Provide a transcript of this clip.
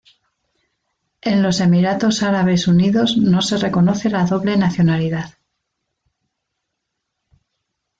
En los Emiratos Árabes Unidos no se reconoce la doble nacionalidad.